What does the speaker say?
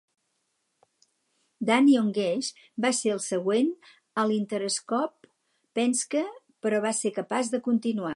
Danny Ongais va ser el següent al Interscope Penske, però va ser capaç de continuar.